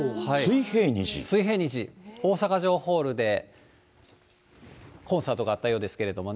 水平虹、大阪城ホールでコンサートがあったようですけどもね。